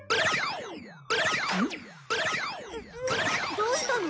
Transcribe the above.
どうしたの？